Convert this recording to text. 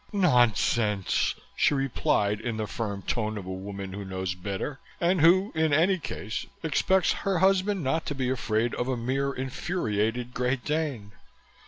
"Nonsense!" she replied in the firm tone of a woman who knows better and who, in any case, expects her husband not to be afraid of a mere infuriated Great Dane.